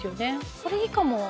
これいいかも。